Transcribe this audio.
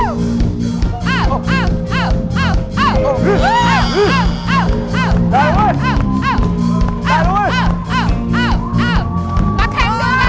มาแข่งด้วยกันนะคะระวัง๓น้ำ